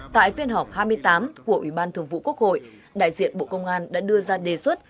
tại phiên họp hai mươi tám của ủy ban thường vụ quốc hội đại diện bộ công an đã đưa ra đề xuất